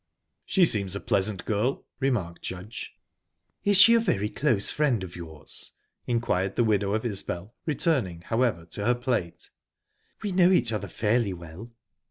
"She seems a pleasant girl," remarked Judge. "Is she a very close friend of yours?" inquired the widow of Isbel, returning, however, to her plate. "We know each other fairly well."